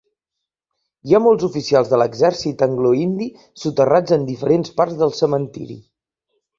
Hi ha molts oficials de l'exèrcit angloindi soterrats en diferents parts del cementiri.